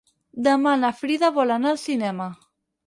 Demà na Frida vol anar al cinema.